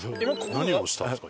何をしたんですか？